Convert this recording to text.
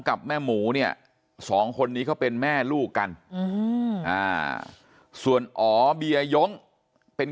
กับแม่หมูเนี่ยสองคนนี้เขาเป็นแม่ลูกกันส่วนอ๋อเบียยงเป็น